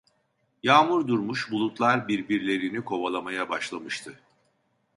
Yağmur durmuş, bulutlar birbirlerini kovalamaya başlamıştı.